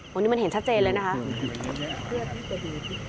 วันนี้มันเห็นชัดเจนเลยนะคะ